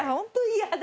嫌だ。